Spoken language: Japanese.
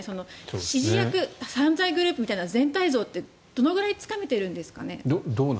指示役犯罪グループみたいな全体像ってどのぐらいつかめているんですかね？